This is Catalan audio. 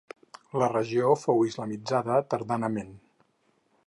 La regió fou islamitzada tardanament.